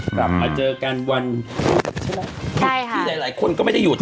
กลับมาเจอกันวันใช่ไหมใช่ค่ะที่หลายหลายคนก็ไม่ได้หยุด